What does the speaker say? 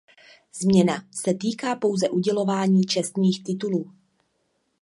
Změna se týká pouze udělování čestných titulů.